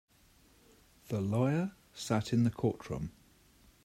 The lawyer sat in the courtroom.